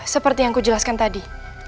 seperti yang ku jelaskan tadi